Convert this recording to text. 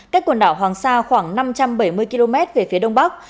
cách quần đảo hoàng sa khoảng năm trăm bảy mươi km về phía đông bắc